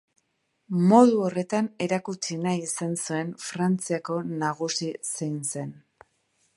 Modu horretan erakutsi nahi izan zuen Frantziako nagusi zein zen.